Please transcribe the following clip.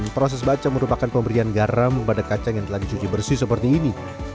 proses baca merupakan pemberian garam pada kacang yang telah dicuci bersih seperti ini